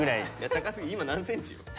高すぎ今何センチよ？